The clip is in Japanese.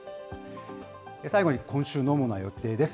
最後に今週の主な予定です。